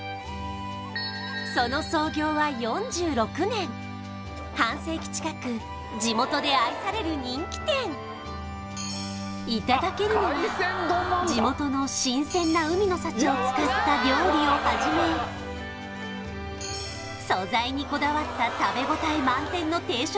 その創業は４６年半世紀近く地元で愛される人気店頂けるのは地元の新鮮な海の幸を使った料理を始め素材にこだわった食べ応え満点の定食までズラリ